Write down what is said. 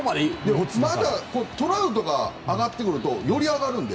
トラウトが上がってくるとより上がるので。